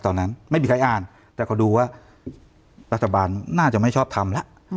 ตอนนั้นไม่มีใครอ่านแต่เขาดูว่ารัฐบาลน่าจะไม่ชอบทำแล้ว